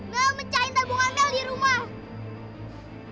beli mencahin tabungan bel di rumah